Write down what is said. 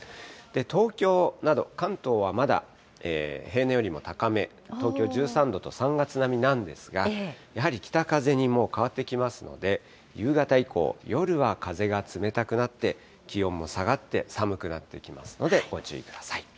東京など、関東はまだ平年よりも高め、東京１３度と、３月並みなんですが、やはり北風にもう変わってきますので、夕方以降、夜は風が冷たくなって、気温も下がって、寒くなってきますので、ご注意ください。